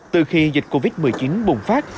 từ khi dịch covid một mươi chín bùng phát